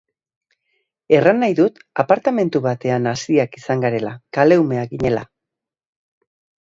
Erran nahi dut apartamentu batean haziak izan garela, kale-umeak ginela.